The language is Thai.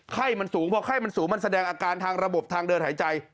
ไข้มันสูงพอไข้มันสูงมันแสดงอาการทางระบบทางเดินหายใจ